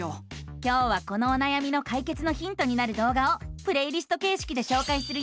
今日はこのおなやみのかいけつのヒントになる動画をプレイリストけいしきでしょうかいするよ！